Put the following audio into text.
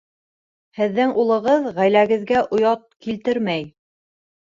Һеҙҙең улығыҙ ғаиләгеҙгә оят килтермәй